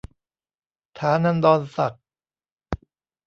ฐานันดรศักดิ์